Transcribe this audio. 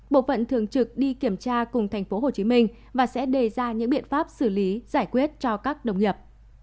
bộ phận thường trực đi kiểm tra cùng tp hcm và sẽ đề ra những biện pháp xử lý giải quyết cho các đồng nghiệp